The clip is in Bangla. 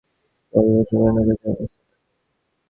কেবল একপার্শ্বে নৌকা চলাচলের স্থান রাখিয়াছে।